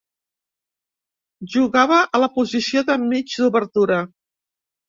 Jugava a la posició de mig d'obertura.